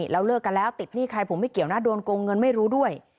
แล้วเลิกกันแล้วติดหนี้ใครผมไม่เกี่ยวนะโดนโกงเงินไม่รู้ด้วย